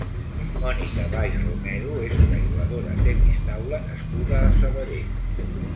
Mònica Weisz Romero és una jugadora tennis taula nascuda a Sabadell.